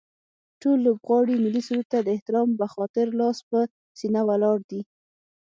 ټول لوبغاړي ملي سرود ته د احترام به خاطر لاس په سینه ولاړ دي